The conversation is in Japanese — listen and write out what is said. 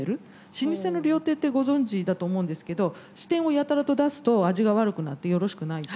老舗の料亭ってご存じだと思うんですけど支店をやたらと出すと味が悪くなってよろしくないと。